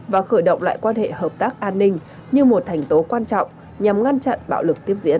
và khởi động lại quan hệ hợp tác an ninh như một thành tố quan trọng nhằm ngăn chặn bạo lực tiếp diễn